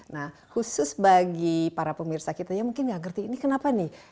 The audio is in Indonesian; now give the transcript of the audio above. nah khusus bagi para pemirsa kita mungkin tidak mengerti ini kenapa nih